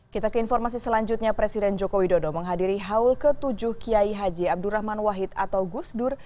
kita ke informasi selanjutnya presiden joko widodo menghadiri haul ke tujuh kiai haji abdurrahman wahid atau gusdur